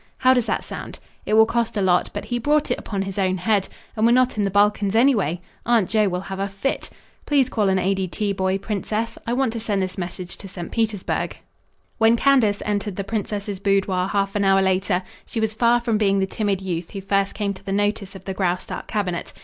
How does that sound? It will cost a lot, but he brought it upon his own head. And we're not in the Balkans, anyway. Aunt Joe will have a fit. Please call an A. D. T. boy, princess. I want to send this message to St. Petersburg." When Candace entered the princess's boudoir half an hour later, she was far from being the timid youth who first came to the notice of the Graustark cabinet.